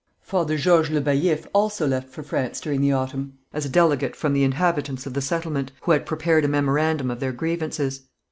Father Georges Le Baillif also left for France during the autumn, as a delegate from the inhabitants of the settlement, who had prepared a memorandum of their grievances.